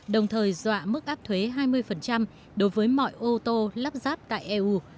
đồng thời dọa mức áp thuế hai mươi đối với mọi ô tô lắp ráp tại eu